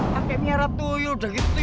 kayaknya ratu yul udah gitu tuh